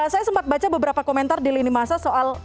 saya sempat baca beberapa komentar di lini masa soal